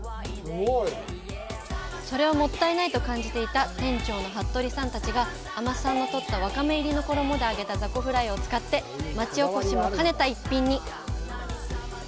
それをもったいないと感じていた店長の服部さんたちが海女さんのとったワカメ入りの衣で揚げたザコフライを使って、町おこしも兼ねた一品に！